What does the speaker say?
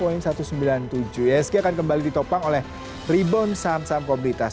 isk akan kembali ditopang oleh rebound saham saham komoditas